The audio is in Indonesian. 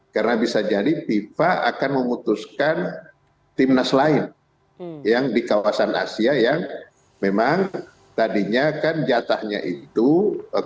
karena bisa jadi fifa akan memutuskan timnas lain yang di kawasan asia yang memang tadinya kan jatahnya itu kualifikasi